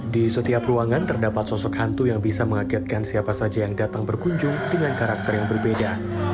di setiap ruangan terdapat sosok hantu yang bisa mengagetkan siapa saja yang datang berkunjung dengan karakter yang berbeda